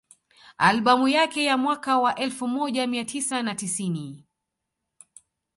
Albamu yake ya mwaka wa elfu moja mia tisa na tisini